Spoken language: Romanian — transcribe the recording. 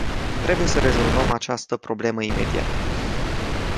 Trebuie să rezolvăm această problemă imediat.